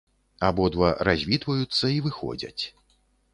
Абодва развітваюцца і выходзяць.